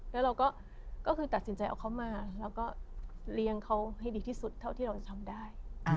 แล้วเราก็คือตัดสินใจเอาเขามาแล้วก็เลี้ยงเขาให้ดีที่สุดเท่าที่เราจะทำได้